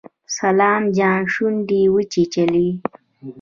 سلام جان شونډې وچيچلې.